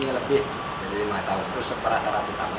itu persyarat utama